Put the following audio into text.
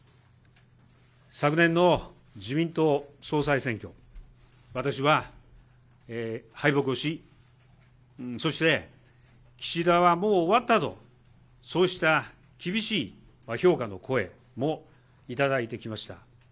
昨年の自民党総裁選挙、私は敗北をし、そして、岸田はもう終わったと、そうした厳しい評価の声も頂いてきました。